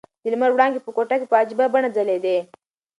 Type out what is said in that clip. د لمر وړانګې په کوټه کې په عجیبه بڼه ځلېدې.